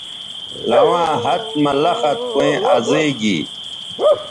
لواں ہَت مہ لخت کویں ازئ گی